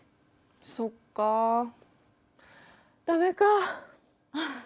そっかあダメかあ。